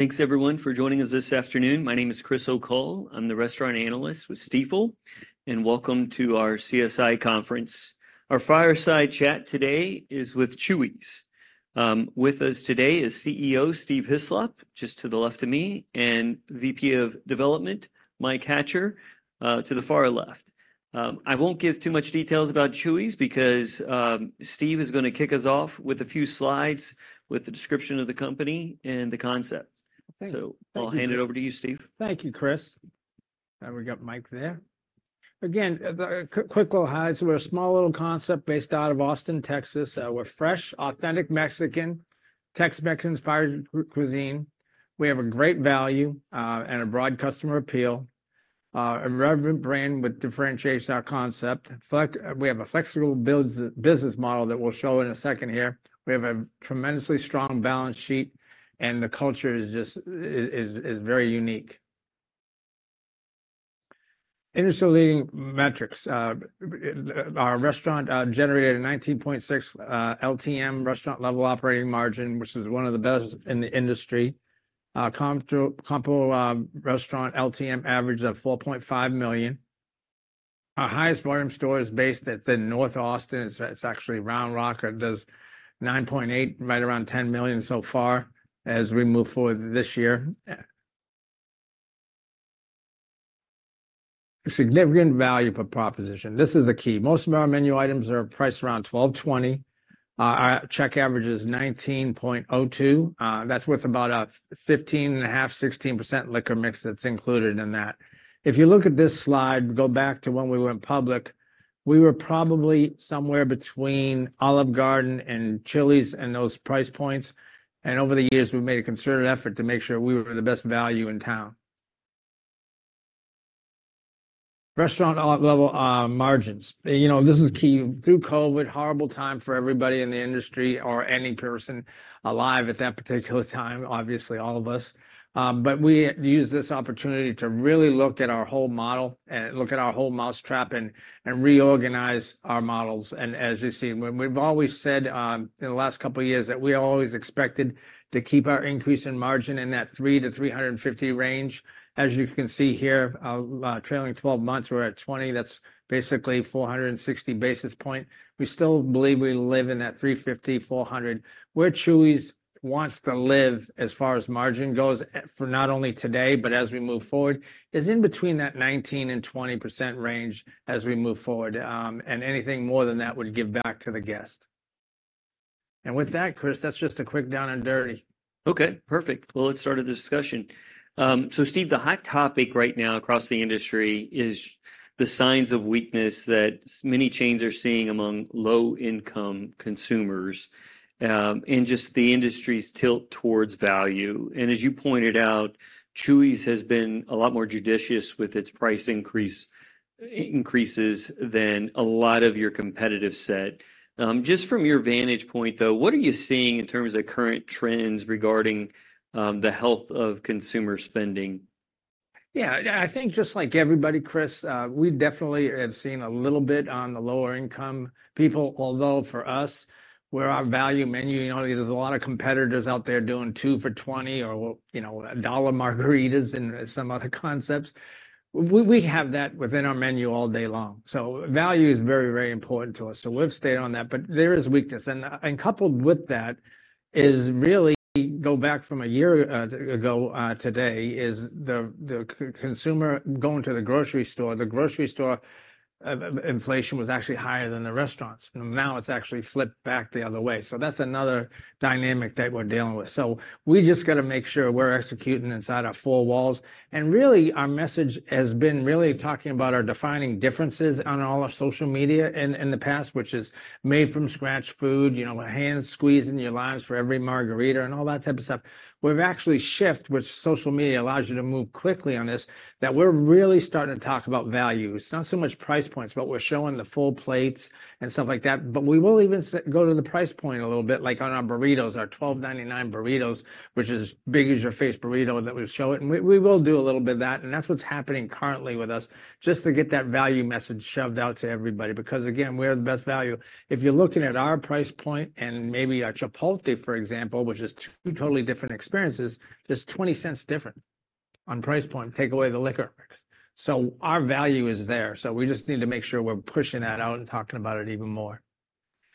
Thanks everyone for joining us this afternoon. My name is Chris O'Cull. I'm the restaurant analyst with Stifel, and welcome to our CSI conference. Our fireside chat today is with Chuy's. With us today is CEO Steve Hislop, just to the left of me, and VP of Development, Mike Hatcher, to the far left. I won't give too much details about Chuy's because, Steve is gonna kick us off with a few slides with a description of the company and the concept. Thank you. I'll hand it over to you, Steve. Thank you, Chris. We got Mike there. Again, quick little hi, so we're a small, little concept based out of Austin, Texas. We're fresh, authentic Mexican, Tex-Mex inspired cuisine. We have a great value, and a broad customer appeal, a relevant brand, which differentiates our concept. Flex-- We have a flexible business, business model that we'll show in a second here. We have a tremendously strong balance sheet, and the culture is just very unique. Industry-leading metrics. Our restaurant generated a 19.6% LTM restaurant-level operating margin, which is one of the best in the industry. Comp to, comp, restaurant LTM average of $4.5 million. Our highest volume store is based at the North Austin. It's actually Round Rock. It does $9.8 million, right around $10 million so far as we move forward this year. Significant value proposition. This is a key. Most of our menu items are priced around $12-$20. Our check average is $19.02. That's with about a 15.5%-16% liquor mix that's included in that. If you look at this slide, go back to when we went public, we were probably somewhere between Olive Garden and Chili's and those price points, and over the years, we've made a concerted effort to make sure we were the best value in town. Restaurant level margins. You know, this is key. Through COVID, horrible time for everybody in the industry or any person alive at that particular time, obviously all of us. But we used this opportunity to really look at our whole model and look at our whole mouse trap and, and reorganize our models. As you see, we've always said, in the last couple of years, that we always expected to keep our increase in margin in that 300-350 range. As you can see here, trailing 12 months, we're at 20. That's basically 460 basis point. We still believe we live in that 350-400. Where Chuy's wants to live as far as margin goes, for not only today, but as we move forward, is in between that 19%-20% range as we move forward, and anything more than that would give back to the guest. With that, Chris, that's just a quick down and dirty. Okay, perfect. Well, let's start the discussion. So Steve, the hot topic right now across the industry is the signs of weakness many chains are seeing among low-income consumers, and just the industry's tilt towards value. As you pointed out, Chuy's has been a lot more judicious with its price increases than a lot of your competitive set. Just from your vantage point, though, what are you seeing in terms of current trends regarding the health of consumer spending? Yeah, I think just like everybody, Chris, we definitely have seen a little bit on the lower-income people, although for us, we're our value menu. You know, there's a lot of competitors out there doing two for $20 or, you know, $1 margaritas and some other concepts. We have that within our menu all day long. So value is very, very important to us. So we've stayed on that, but there is weakness, and coupled with that is really go back from a year ago today is the consumer going to the grocery store. The grocery store inflation was actually higher than the restaurants, and now it's actually flipped back the other way. So that's another dynamic that we're dealing with. So we just got to make sure we're executing inside our four walls, and really, our message has been really talking about our defining differences on all our social media in the past, which is made from scratch food, you know, a hand squeeze in your limes for every margarita and all that type of stuff. We've actually shifted, which social media allows you to move quickly on this, that we're really starting to talk about value. It's not so much price points, but we're showing the full plates and stuff like that. But we will even go to the price point a little bit, like on our burritos, our $12.99 burritos, which is as big as your face burrito that we show it, and we, we will do a little bit of that, and that's what's happening currently with us, just to get that value message shoved out to everybody. Because, again, we're the best value. If you're looking at our price point and maybe a Chipotle, for example, which is two totally different experiences, just $0.20 different on price point, take away the liquor. So our value is there, so we just need to make sure we're pushing that out and talking about it even more.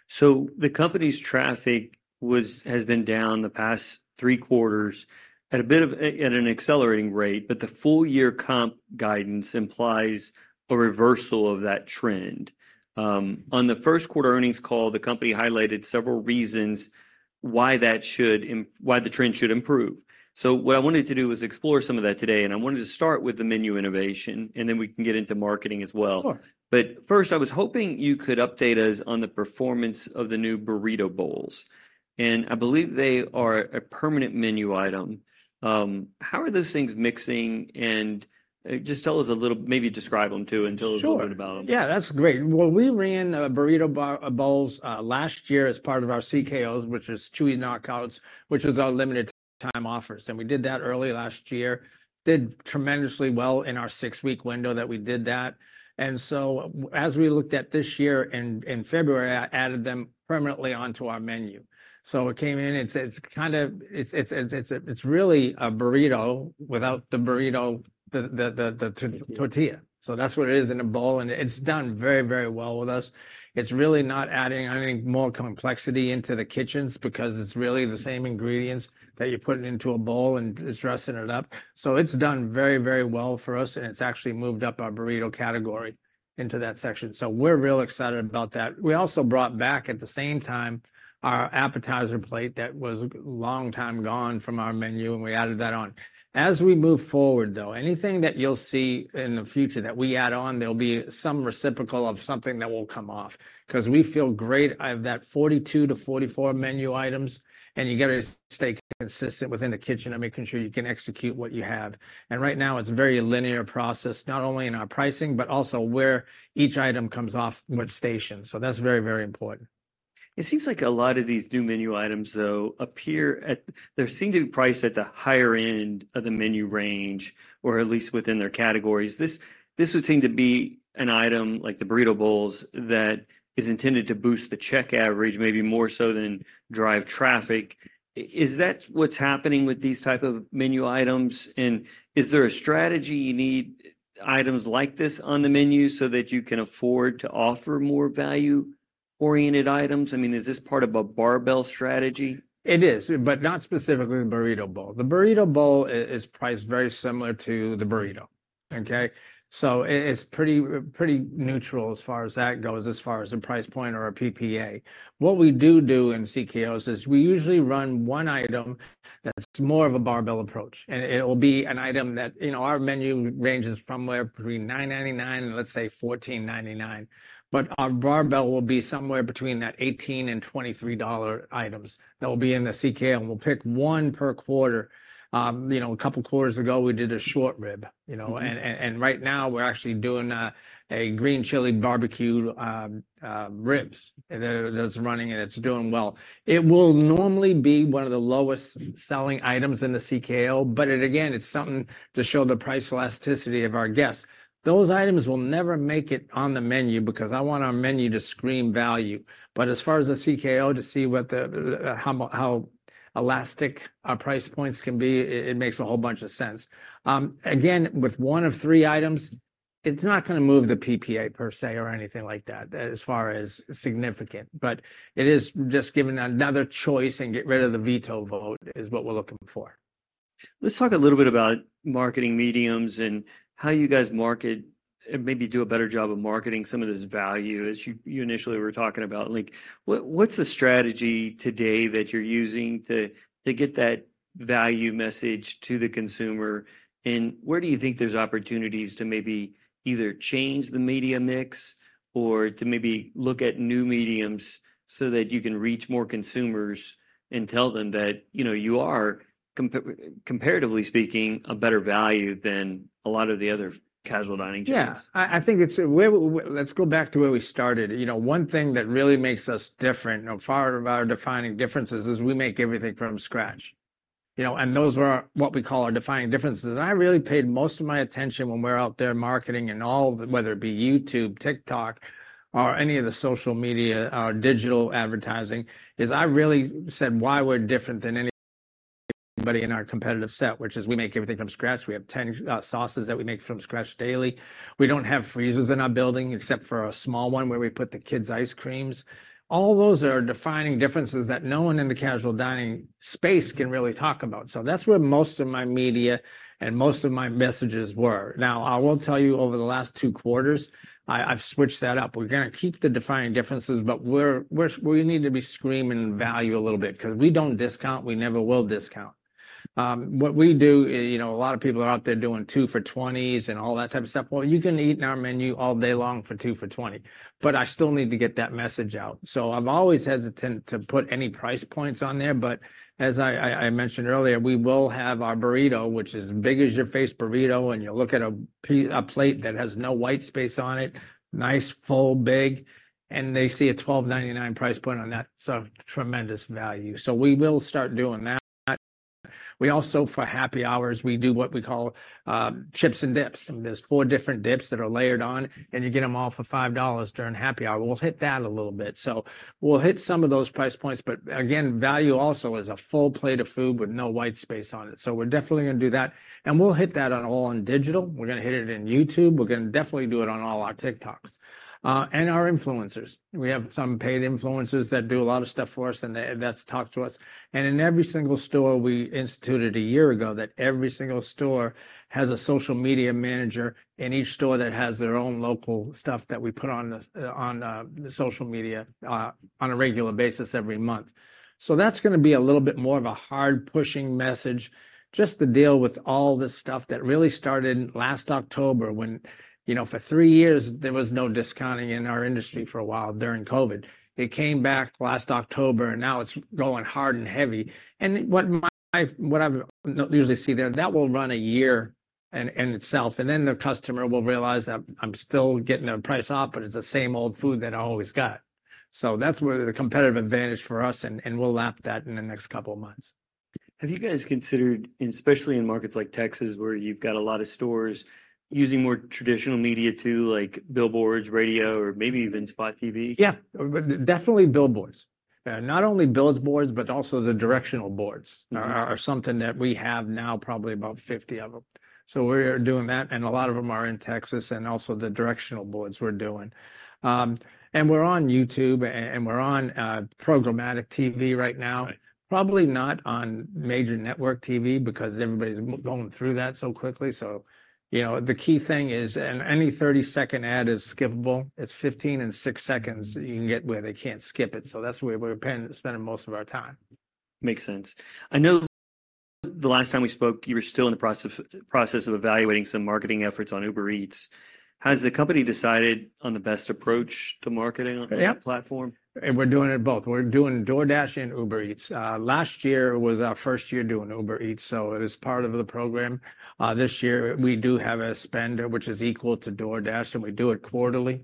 So the company's traffic has been down the past three quarters at a bit of an accelerating rate, but the full-year comp guidance implies a reversal of that trend. On the first quarter earnings call, the company highlighted several reasons why the trend should improve. So what I wanted to do was explore some of that today, and I wanted to start with the menu innovation, and then we can get into marketing as well. Sure. But first, I was hoping you could update us on the performance of the new Burrito Bowls, and I believe they are a permanent menu item. How are those things mixing? And, just tell us a little, maybe describe them too, and tell us- Sure... a little about them. Yeah, that's great. Well, we ran a burrito bowls last year as part of our CKOs, which is Chuy's Knockouts, which is our limited time offers, and we did that early last year. Did tremendously well in our six-week window that we did that. And so as we looked at this year, in February, I added them permanently onto our menu. So it came in, it's a, it's really a burrito without the burrito, the tortilla. So that's what it is in a bowl, and it's done very, very well with us. It's really not adding any more complexity into the kitchens because it's really the same ingredients that you're putting into a bowl and just dressing it up. So it's done very, very well for us, and it's actually moved up our burrito category into that section. So we're real excited about that. We also brought back, at the same time, our appetizer plate that was a long time gone from our menu, and we added that on. As we move forward, though, anything that you'll see in the future that we add on, there'll be some reciprocal of something that will come off. 'Cause we feel great. I have that 42-44 menu items, and you gotta stay consistent within the kitchen and making sure you can execute what you have. And right now, it's a very linear process, not only in our pricing, but also where each item comes off which station. So that's very, very important. It seems like a lot of these new menu items, though, appear they seem to be priced at the higher end of the menu range, or at least within their categories. This, this would seem to be an item, like the Burrito Bowls, that is intended to boost the check average, maybe more so than drive traffic. Is that what's happening with these type of menu items, and is there a strategy you need items like this on the menu so that you can afford to offer more value-oriented items? I mean, is this part of a barbell strategy? It is, but not specifically the burrito bowl. The burrito bowl is priced very similar to the burrito, okay? So it's pretty, pretty neutral as far as that goes, as far as the price point or our PPA. What we do do in CKOs is we usually run one item that's more of a barbell approach, and it'll be an item that, you know, our menu ranges from somewhere between $9.99 and, let's say, $14.99. But our barbell will be somewhere between $18 and $23 items that will be in the CKO, and we'll pick one per quarter. You know, a couple quarters ago, we did a short rib, you know. Mm-hmm. Right now, we're actually doing a green chile barbecue ribs, that's running, and it's doing well. It will normally be one of the lowest-selling items in the CKO, but again, it's something to show the price elasticity of our guests. Those items will never make it on the menu because I want our menu to scream value. But as far as the CKO, to see what the how elastic our price points can be, it makes a whole bunch of sense. Again, with one of three items, it's not gonna move the PPA per se or anything like that, as far as significant, but it is just giving another choice and get rid of the veto vote, is what we're looking for. Let's talk a little bit about marketing mediums and how you guys market and maybe do a better job of marketing some of this value, as you initially were talking about. Like, what's the strategy today that you're using to get that value message to the consumer? And where do you think there's opportunities to maybe either change the media mix or to maybe look at new mediums so that you can reach more consumers and tell them that, you know, you are comparatively speaking, a better value than a lot of the other casual dining chains? Yeah. I think it's... Let's go back to where we started. You know, one thing that really makes us different, you know, part of our defining differences is we make everything from scratch. You know, and those are our, what we call our defining differences, and I really paid most of my attention when we're out there marketing and all of the whether it be YouTube, TikTok, or any of the social media or digital advertising, is I really said why we're different than anybody in our competitive set, which is we make everything from scratch. We have 10 sauces that we make from scratch daily. We don't have freezers in our building, except for a small one where we put the kids' ice creams. All those are defining differences that no one in the casual dining space can really talk about. So that's where most of my media and most of my messages were. Now, I will tell you, over the last 2 quarters, I've switched that up. We're gonna keep the defining differences, but we need to be screaming value a little bit, 'cause we don't discount. We never will discount. What we do, you know, a lot of people are out there doing 2 for $20s and all that type of stuff. Well, you can eat in our menu all day long for 2 for $20, but I still need to get that message out. So I'm always hesitant to put any price points on there, but as I mentioned earlier, we will have our burrito, which is big as your face burrito, and you look at a plate that has no white space on it, nice, full, big, and they see a $12.99 price point on that, so tremendous value. So we will start doing that. We also, for happy hours, we do what we call Chips & Dips. There's four different dips that are layered on, and you get them all for $5 during happy hour. We'll hit that a little bit. So we'll hit some of those price points, but again, value also is a full plate of food with no white space on it. So we're definitely gonna do that, and we'll hit that on all on digital. We're gonna hit it in YouTube. We're gonna definitely do it on all our TikToks, and our influencers. We have some paid influencers that do a lot of stuff for us, and that's talked to us. And in every single store, we instituted a year ago, that every single store has a social media manager, and each store that has their own local stuff that we put on the social media on a regular basis every month. So that's gonna be a little bit more of a hard-pushing message, just to deal with all the stuff that really started last October, when, you know, for three years, there was no discounting in our industry for a while during COVID. It came back last October, and now it's going hard and heavy, and what I've usually see there, that will run a year in itself, and then the customer will realize that I'm still getting a price off, but it's the same old food that I always got. So that's where the competitive advantage for us, and we'll lap that in the next couple of months. Have you guys considered, and especially in markets like Texas, where you've got a lot of stores, using more traditional media too, like billboards, radio, or maybe even spot TV? Yeah, definitely billboards. Not only billboards, but also the directional boards- Mm-hmm... are, are something that we have now, probably about 50 of them. So we're doing that, and a lot of them are in Texas, and also the directional boards we're doing. And we're on YouTube, and we're on programmatic TV right now. Right. Probably not on major network TV because everybody's going through that so quickly. So, you know, the key thing is, and any 30-second ad is skippable. It's 15 and 6 seconds that you can get where they can't skip it, so that's where we're spending most of our time. Makes sense. I know the last time we spoke, you were still in the process of evaluating some marketing efforts on Uber Eats. Has the company decided on the best approach to marketing- Yeah... on that platform? We're doing it both. We're doing DoorDash and Uber Eats. Last year was our first year doing Uber Eats, so it is part of the program. This year, we do have a spender, which is equal to DoorDash, and we do it quarterly.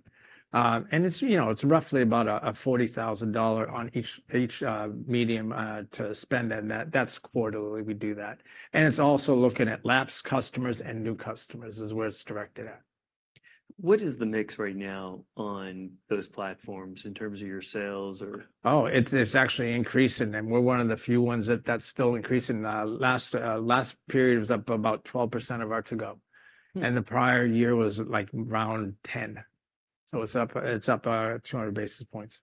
And it's, you know, it's roughly about a $40,000 on each medium to spend, and that's quarterly we do that. And it's also looking at lapsed customers and new customers, is where it's directed at. .What is the mix right now on those platforms in terms of your sales or? Oh, it's actually increasing, and we're one of the few ones that's still increasing. Last period was up about 12% of our to-go. Mm. The prior year was, like, around 10. It's up, it's up, 200 basis points.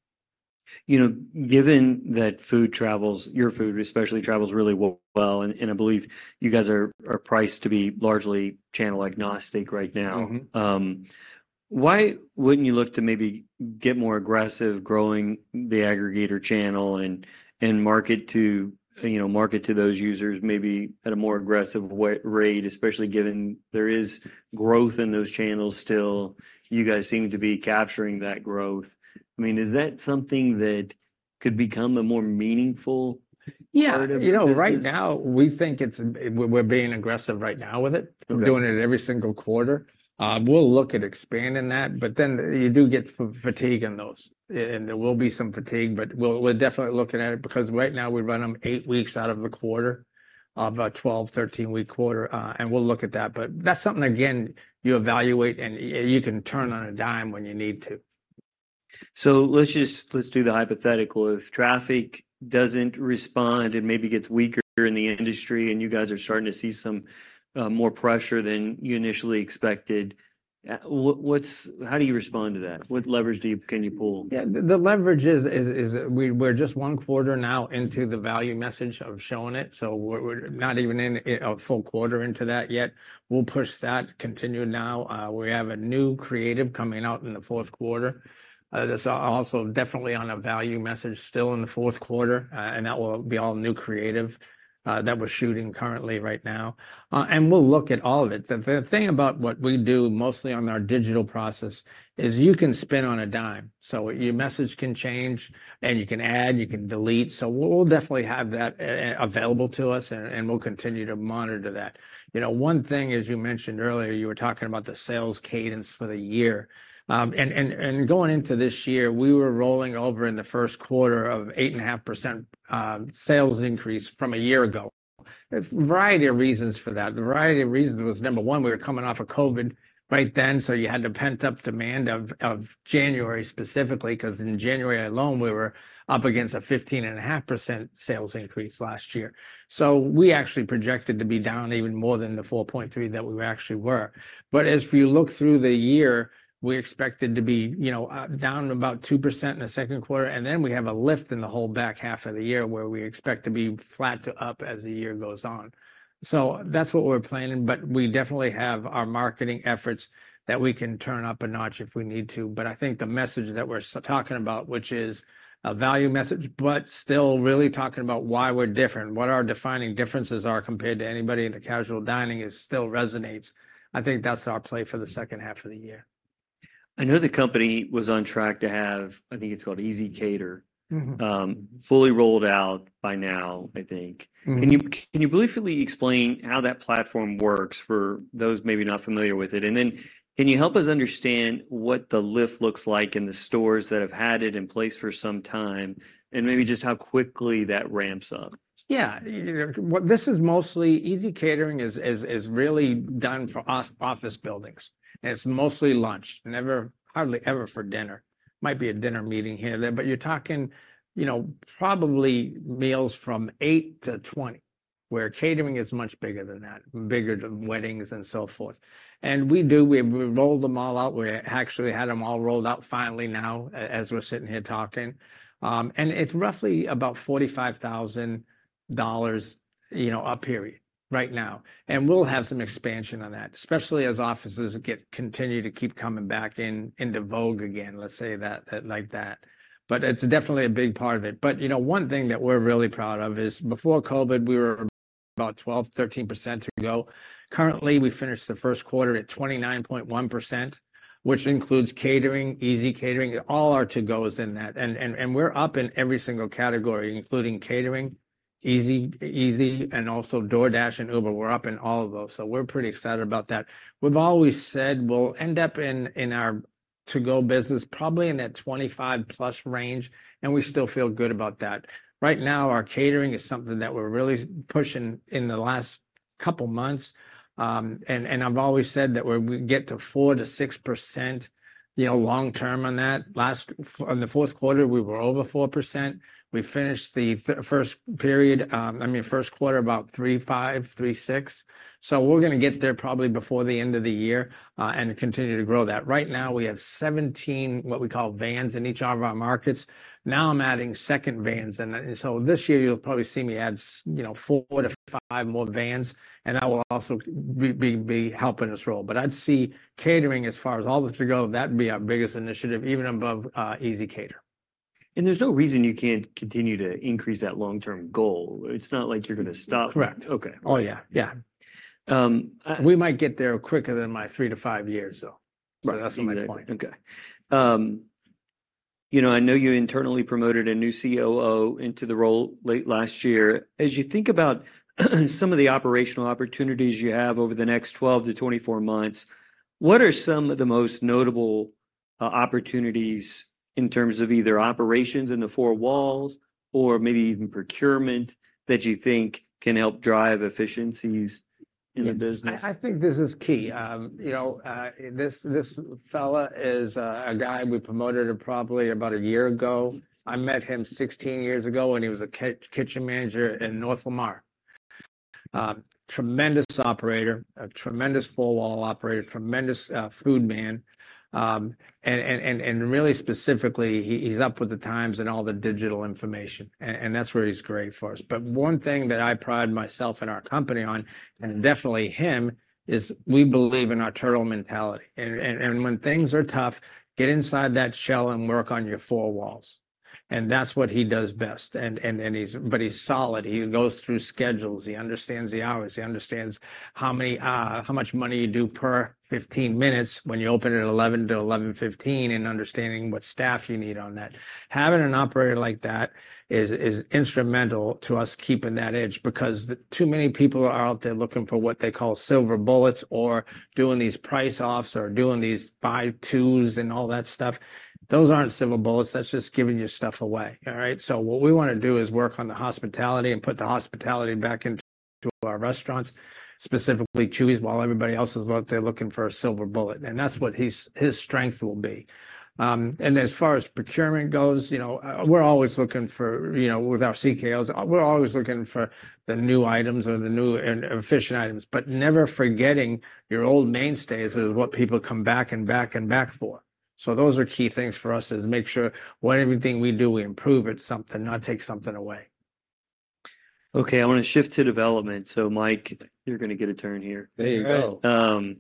You know, given that food travels, your food especially travels really well, and I believe you guys are priced to be largely channel-agnostic right now. Mm-hmm. Why wouldn't you look to maybe get more aggressive growing the aggregator channel and market to, you know, market to those users maybe at a more aggressive rate, especially given there is growth in those channels still. You guys seem to be capturing that growth. I mean, is that something that could become a more meaningful- Yeah... part of the business? You know, right now, we think it's, we're being aggressive right now with it. Okay. We're doing it every single quarter. We'll look at expanding that, but then you do get fatigue in those, and there will be some fatigue, but we're definitely looking at it because right now we run them eight weeks out of the quarter, of a 12, 13-week quarter, and we'll look at that. But that's something, again, you evaluate, and you can turn on a dime when you need to. So let's just, let's do the hypothetical. If traffic doesn't respond and maybe gets weaker in the industry, and you guys are starting to see some more pressure than you initially expected, how do you respond to that? What leverage can you pull? Yeah. The leverage is we're just one quarter now into the value message of showing it, so we're not even in a full quarter into that yet. We'll push that, continue now. We have a new creative coming out in the fourth quarter, that's also definitely on a value message still in the fourth quarter, and that will be all new creative that we're shooting currently right now. And we'll look at all of it. The thing about what we do mostly on our digital process is you can spin on a dime. So your message can change, and you can add, you can delete. So we'll definitely have that available to us, and we'll continue to monitor that. You know, one thing, as you mentioned earlier, you were talking about the sales cadence for the year. And going into this year, we were rolling over in the first quarter of 8.5% sales increase from a year ago. A variety of reasons for that. The variety of reasons was, number one, we were coming off of COVID right then, so you had the pent-up demand of January specifically, 'cause in January alone, we were up against a 15.5% sales increase last year. So we actually projected to be down even more than the 4.3 that we actually were. But as for you look through the year, we're expected to be, you know, down about 2% in the second quarter, and then we have a lift in the whole back half of the year, where we expect to be flat to up as the year goes on. So that's what we're planning, but we definitely have our marketing efforts that we can turn up a notch if we need to. But I think the message that we're talking about, which is a value message, but still really talking about why we're different, what our defining differences are compared to anybody in the casual dining, it still resonates. I think that's our play for the second half of the year. I know the company was on track to have, I think it's called ezCater- Mm-hmm... fully rolled out by now, I think. Mm-hmm. Can you, can you briefly explain how that platform works for those maybe not familiar with it? And then, can you help us understand what the lift looks like in the stores that have had it in place for some time, and maybe just how quickly that ramps up? Yeah. You know, what this is mostly, ezCater is, is really done for office buildings, and it's mostly lunch, never, hardly ever for dinner. Might be a dinner meeting here and there, but you're talking, you know, probably meals from eight to 20, where catering is much bigger than that, bigger than weddings and so forth. And we do, we rolled them all out. We actually had them all rolled out finally now as we're sitting here talking. And it's roughly about $45,000, you know, a period, right now. And we'll have some expansion on that, especially as offices continue to keep coming back into vogue again, let's say that, like that. But it's definitely a big part of it. But, you know, one thing that we're really proud of is, before COVID, we were about 12-13% to-go. Currently, we finished the first quarter at 29.1%, which includes catering, ezCater, all our to-go is in that. And we're up in every single category, including catering, ezCater, and also DoorDash and Uber. We're up in all of those. So we're pretty excited about that. We've always said we'll end up in our to-go business, probably in that 25+ range, and we still feel good about that. Right now, our catering is something that we're really pushing in the last couple months. And I've always said that we can get to 4%-6%, you know, long term on that. On the fourth quarter, we were over 4%. We finished the first period, I mean, first quarter, about $3.5, $3.6. So we're gonna get there probably before the end of the year, and continue to grow that. Right now, we have 17, what we call vans, in each of our markets. Now I'm adding second vans, and so this year you'll probably see me add, you know, four to five more vans, and that will also be helping us roll. But I'd see catering, as far as all the to-go, that'd be our biggest initiative, even above ezCater. There's no reason you can't continue to increase that long-term goal. It's not like you're gonna stop. Correct. Okay. Oh, yeah, yeah. I- We might get there quicker than my 3-5 years, though. Right. That's my point. Okay. You know, I know you internally promoted a new COO into the role late last year. As you think about some of the operational opportunities you have over the next 12 to 24 months, what are some of the most notable opportunities in terms of either operations in the four walls or maybe even procurement that you think can help drive efficiencies in the business? I think this is key. You know, this fella is a guy we promoted probably about a year ago. I met him 16 years ago when he was a kitchen manager in North Lamar. Tremendous operator, a tremendous four-wall operator, tremendous food man. And really specifically, he, he's up with the times and all the digital information, and that's where he's great for us. But one thing that I pride myself and our company on, and definitely him, is we believe in our turtle mentality. And when things are tough, get inside that shell and work on your four walls. And that's what he does best. And he's-- but he's solid. He goes through schedules, he understands the hours, he understands how many, how much money you do per 15 minutes when you open at 11:00 A.M. to 11:15 A.M., and understanding what staff you need on that. Having an operator like that is, is instrumental to us keeping that edge, because too many people are out there looking for what they call silver bullets, or doing these price-offs, or doing these buy twos and all that stuff. Those aren't silver bullets, that's just giving your stuff away. All right? So what we want to do is work on the hospitality and put the hospitality back into our restaurants, specifically Chuy's, while everybody else is out there looking for a silver bullet, and that's what he's, his strength will be. And as far as procurement goes, you know, we're always looking for, you know, with our CKOs, we're always looking for the new items or the new and efficient items, but never forgetting your old mainstays is what people come back and back and back for. So those are key things for us, is make sure when everything we do, we improve it something, not take something away. Okay, I want to shift to development. So Mike, you're going to get a turn here. There you go.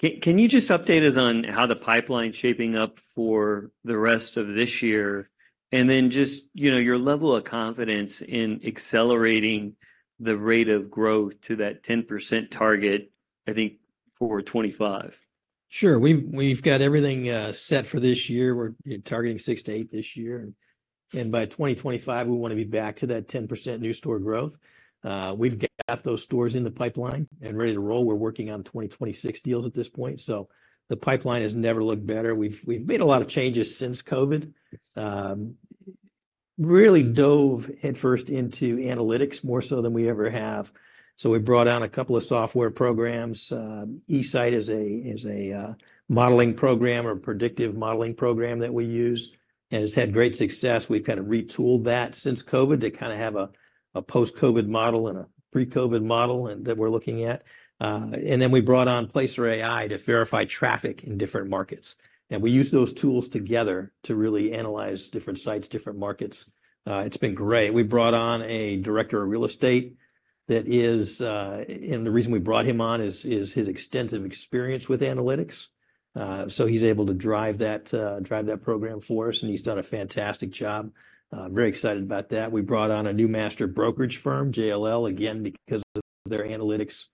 Can you just update us on how the pipeline's shaping up for the rest of this year, and then just, you know, your level of confidence in accelerating the rate of growth to that 10% target, I think, for 25? Sure. We've got everything set for this year. We're targeting six to eight this year, and by 2025, we want to be back to that 10% new store growth. We've got those stores in the pipeline and ready to roll. We're working on 2026 deals at this point, so the pipeline has never looked better. We've made a lot of changes since Covid. Really dove headfirst into analytics, more so than we ever have. So we brought on a couple of software programs. eSite is a modeling program or predictive modeling program that we use, and it's had great success. We've kind of retooled that since Covid to kind of have a post-Covid model and a pre-Covid model that we're looking at. And then we brought on Placer.ai to verify traffic in different markets, and we use those tools together to really analyze different sites, different markets. It's been great. We brought on a director of real estate that is... And the reason we brought him on is his extensive experience with analytics. So he's able to drive that, drive that program for us, and he's done a fantastic job. Very excited about that. We brought on a new master brokerage firm, JLL, again, because of their analytics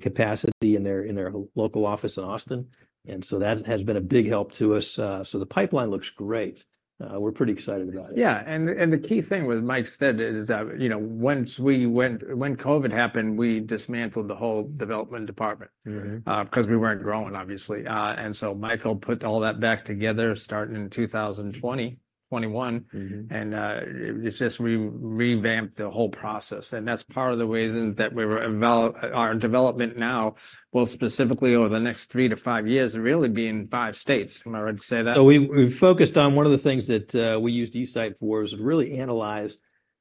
capacity in their local office in Austin. And so that has been a big help to us. So the pipeline looks great. We're pretty excited about it. Yeah, and the key thing with Mike said is that, you know, once we went—when COVID happened, we dismantled the whole development department- Mm-hmm... 'cause we weren't growing, obviously. And so Michael put all that back together, starting in 2020, 2021. Mm-hmm. It's just revamped the whole process, and that's part of the reason that we're evolving our development now, well, specifically over the next three to five years, really be in five states. Am I right to say that? So we, we've focused on one of the things that, we used eSite for, is really analyze,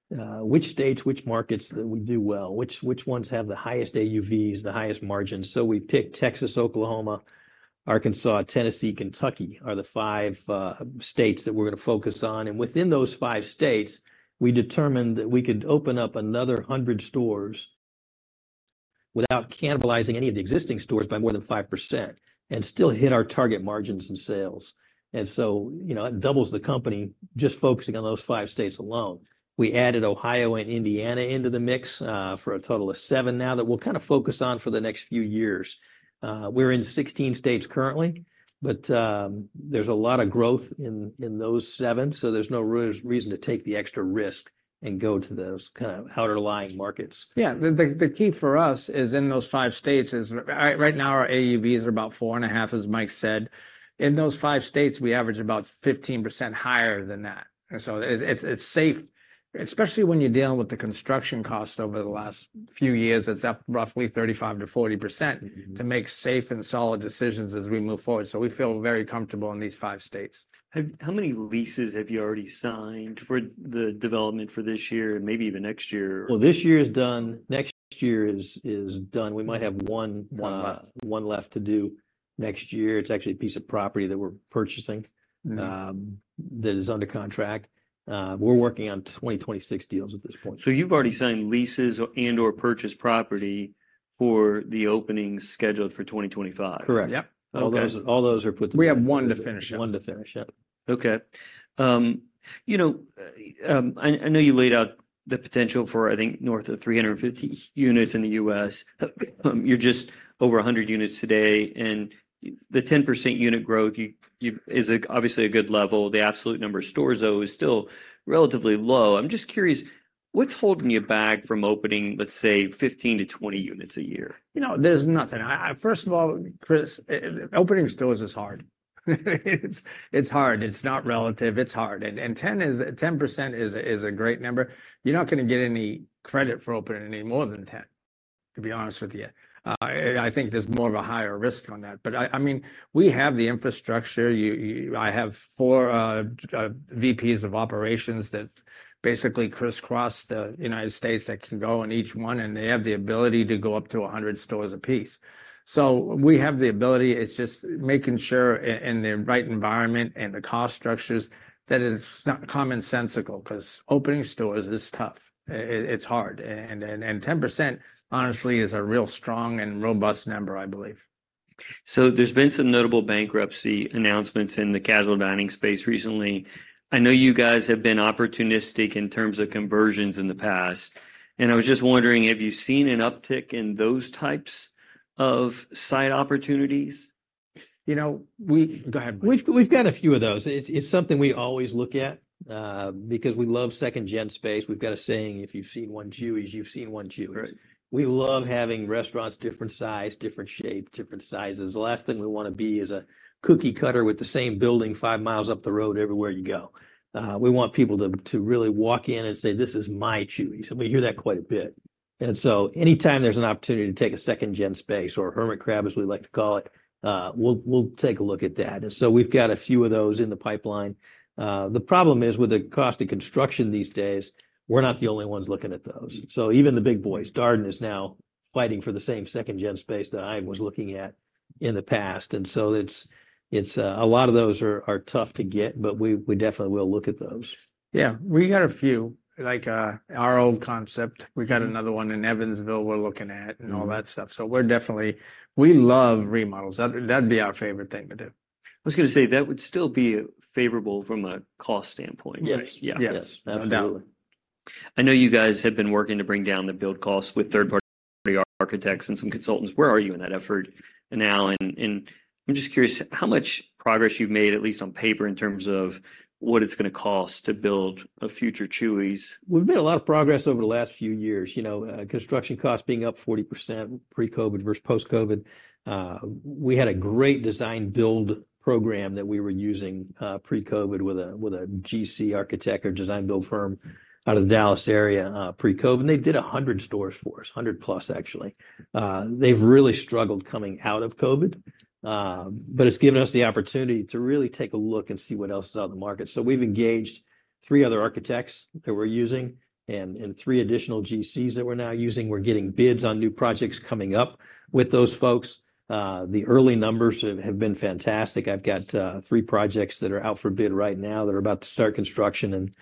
which states, which markets that we do well, which, which ones have the highest AUVs, the highest margins. So we picked Texas, Oklahoma, Arkansas, Tennessee, Kentucky, are the five, states that we're gonna focus on. And within those five states, we determined that we could open up another 100 stores without cannibalizing any of the existing stores by more than 5% and still hit our target margins and sales. And so, you know, it doubles the company just focusing on those five states alone. We added Ohio and Indiana into the mix, for a total of seven now that we'll kind of focus on for the next few years. We're in 16 states currently, but there's a lot of growth in those seven, so there's no reason to take the extra risk and go to those kind of outlying markets. Yeah. The key for us is in those five states. Right now, our AUVs are about 4.5, as Mike said. In those five states, we average about 15% higher than that. So it's safe, especially when you're dealing with the construction costs over the last few years. It's up roughly 35%-40%. Mm-hmm... to make safe and solid decisions as we move forward. So we feel very comfortable in these five states. How many leases have you already signed for the development for this year and maybe even next year? Well, this year is done. Next year is done. We might have one- One left... one left to do next year. It's actually a piece of property that we're purchasing- Mm... that is under contract. We're working on 2026 deals at this point. You've already signed leases or and/or purchased property for the openings scheduled for 2025? Correct. Yep. Okay. All those are put- We have one to finish up. One to finish up. Okay. You know, I know you laid out the potential for, I think, north of 350 units in the US. You're just over 100 units today, and the 10% unit growth is obviously a good level. The absolute number of stores, though, is still relatively low. I'm just curious. What's holding you back from opening, let's say, 15-20 units a year? You know, there's nothing. I—First of all, Chris, opening stores is hard. It's, it's hard. It's not relative, it's hard. And ten percent is a great number. You're not gonna get any credit for opening any more than ten, to be honest with you. I think there's more of a higher risk on that. But I mean, we have the infrastructure. I have four VPs of operations that basically crisscross the United States that can go in each one, and they have the ability to go up to 100 stores a piece. So we have the ability, it's just making sure in the right environment and the cost structures, that it's commonsensical. 'Cause opening stores is tough. It's hard, and 10%, honestly, is a real strong and robust number, I believe. So there's been some notable bankruptcy announcements in the casual dining space recently. I know you guys have been opportunistic in terms of conversions in the past, and I was just wondering, have you seen an uptick in those types of site opportunities? You know, Go ahead, Mike. We've got a few of those. It's something we always look at, because we love second-gen space. We've got a saying: "If you've seen one Chuy's, you've seen one Chuy's. Right. We love having restaurants different size, different shape, different sizes. The last thing we wanna be is a cookie cutter with the same building five miles up the road everywhere you go. We want people to, to really walk in and say, "This is my Chuy's," and we hear that quite a bit. Anytime there's an opportunity to take a second-gen space, or Hermit Crab, as we like to call it, we'll, we'll take a look at that. We've got a few of those in the pipeline. The problem is, with the cost of construction these days, we're not the only ones looking at those. So even the big boys, Darden, is now fighting for the same second-gen space that I was looking at in the past, and so it's a lot of those are tough to get, but we definitely will look at those. Yeah. We got a few, like, our old concept. Mm. We've got another one in Evansville we're looking at- Mm... and all that stuff. So we're definitely... We love remodels. That'd be our favorite thing to do. I was gonna say, that would still be favorable from a cost standpoint, right? Yes. Yeah. Yes. Absolutely. I know you guys have been working to bring down the build costs with third-party architects and some consultants. Where are you in that effort now? And, I'm just curious how much progress you've made, at least on paper, in terms of what it's gonna cost to build a future Chuy's. We've made a lot of progress over the last few years, you know, construction costs being up 40% pre-COVID versus post-COVID. We had a great design-build program that we were using pre-COVID with a GC architect or design-build firm out of the Dallas area pre-COVID, and they did 100 stores for us, 100 plus, actually. They've really struggled coming out of COVID, but it's given us the opportunity to really take a look and see what else is out in the market. So we've engaged three other architects that we're using and three additional GCs that we're now using. We're getting bids on new projects coming up with those folks. The early numbers have been fantastic. I've got three projects that are out for bid right now that are about to start construction, and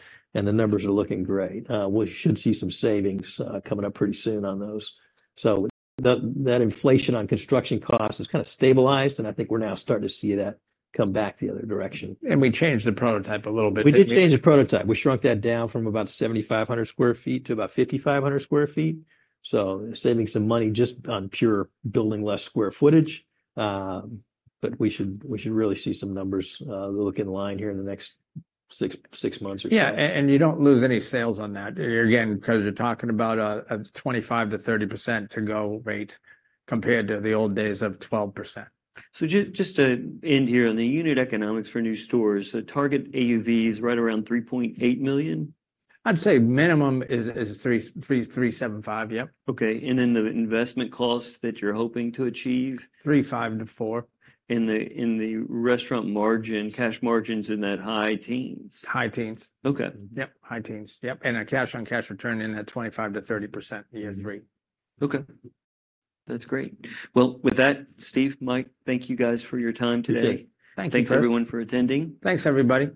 the numbers are looking great. We should see some savings coming up pretty soon on those. So that inflation on construction costs has kind of stabilized, and I think we're now starting to see that come back the other direction. We changed the prototype a little bit. We did change the prototype. We shrunk that down from about 7,500 sq ft to about 5,500 sq ft, so saving some money just on pure building less square footage. But we should really see some numbers, look in line here in the next six months or so. Yeah, and, and you don't lose any sales on that. Again, 'cause you're talking about a, a 25%-30% to-go rate compared to the old days of 12%. Just to end here, on the unit economics for new stores, the target AUV is right around $3.8 million? I'd say minimum is $33,375. Yep. Okay, and then the investment costs that you're hoping to achieve? 3.5-four. In the restaurant margin, cash margins in that high teens? High teens. Okay. Yep, high teens. Yep, and a cash-on-cash return in that 25%-30% in year three. Okay. That's great. Well, with that, Steve, Mike, thank you guys for your time today. Okay. Thank you, sir. Thanks, everyone, for attending. Thanks, everybody.